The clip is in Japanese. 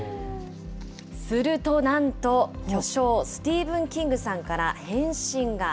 すると、なんと巨匠、スティーブン・キングさんから返信が。